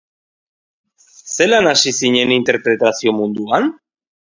Zelan hasi zinen interpretazio munduan?